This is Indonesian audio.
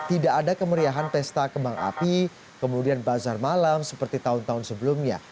tidak ada kemeriahan pesta kembang api kemudian bazar malam seperti tahun tahun sebelumnya